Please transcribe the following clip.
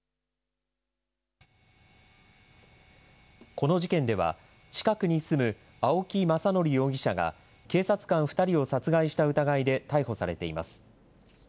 この事件では、近くに住む青木政憲容疑者が警察官２人を殺害した疑いで逮捕されています。